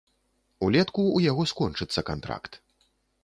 Улетку ў яго скончыцца кантракт.